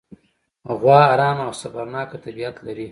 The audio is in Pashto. غوا ارامه او صبرناکه طبیعت لري.